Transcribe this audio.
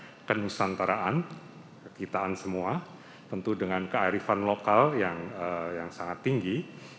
kami menghasilkan kenusantaraan kegitaan semua tentu dengan kearifan lokal yang sangat tinggi